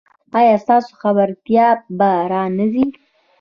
ایا ستاسو خبرتیا به را نه ځي؟